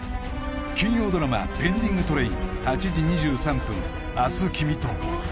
金曜ドラマ「ペンディングトレイン−８時２３分、明日君と」